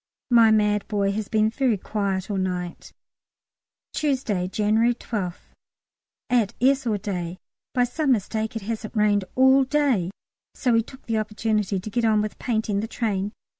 My mad boy has been very quiet all night. Tuesday, January 12th. At S. all day. By some mistake it hasn't rained all day, so we took the opportunity to get on with painting the train.